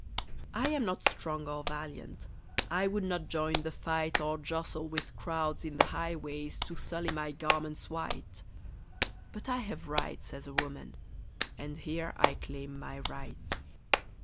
I am not strong or valiant, I would not join the fight Or jostle with crowds in the highways To sully my garments white; But I have rights as a woman, and here I claim my right.